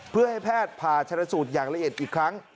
เพื่อให้แพทย์ผ่าชนสูตรอย่างละเอียดอีกครั้ง